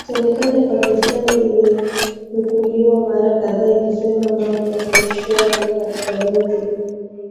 serikali ya pakistan imenukuliwa mara kadhaa ikisema mambo ni shwari katika eneo hilo